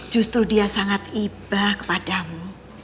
justru dia sangat iba kepadamu